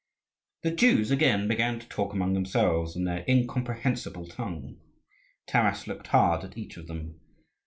The Jews again began to talk among themselves in their incomprehensible tongue. Taras looked hard at each of them.